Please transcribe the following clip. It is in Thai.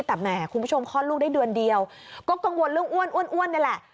แต่แหมคุณผู้ชมคลอดลูกได้เดือนเดียวก็กังวลเรื่องอ้วนอ้วนนี่แหละ